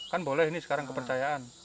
kan boleh ini sekarang kepercayaan